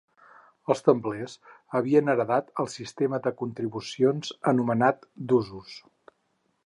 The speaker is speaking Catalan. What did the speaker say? Els templers havien heretat el sistema de contribucions anomenat d'usos.